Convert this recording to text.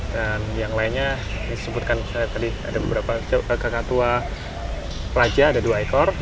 dan yang lainnya disebutkan tadi ada beberapa kakak tua raja ada dua ekor